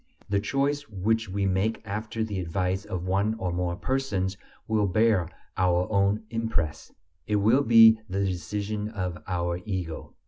The choice which we make after the advice of one or more persons will bear our own impress, it will be the decision of our ego.